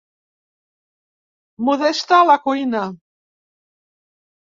Modesta a la cuina.